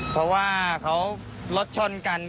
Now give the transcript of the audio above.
เพราะว่าเขารถชนกัน